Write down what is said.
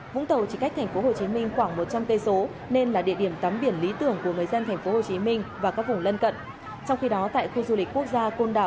vũng tàu chỉ cách tp hcm khoảng một trăm linh km nên là địa điểm tắm biển lý tưởng của mấy dân tp hcm và các vùng lân cận